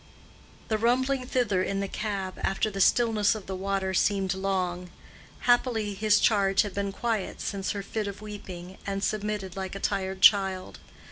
The rumbling thither in the cab after the stillness of the water seemed long. Happily his charge had been quiet since her fit of weeping, and submitted like a tired child.